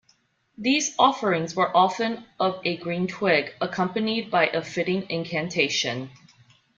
These offerings were often of a green twig, accompanied by a fitting incantation.